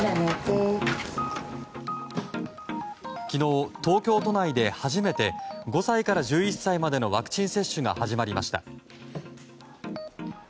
昨日、東京都内で初めて５歳から１１歳までのワクチン接種が始まりました。